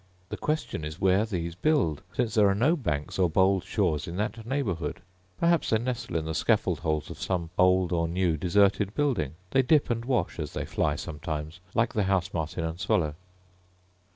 The question is where these build, since there are no banks or bold shores in that neighbourhood: perhaps they nestle in the scaffold holes of some old or new deserted building. They dip and wash as they fly sometimes, like the house martin and swallow.